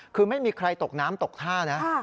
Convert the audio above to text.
คือไม่มีใครตกน้ำตกท่านะ